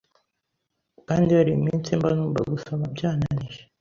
kandi hari iminsi mba numva gusoma byananiye.